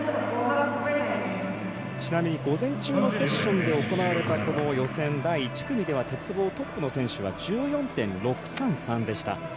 ちなみに午前中のセッションで行われたこの予選第１組では鉄棒トップの選手は１４．６３３でした。